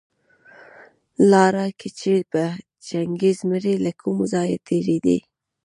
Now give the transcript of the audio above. لاره کي چي به د چنګېز مړى له کوم ځايه تېرېدى